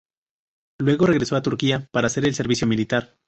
Luego, regresó a Turquía para hacer el servicio militar.